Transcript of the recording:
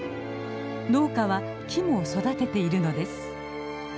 農家は木も育てているのです。